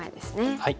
はい。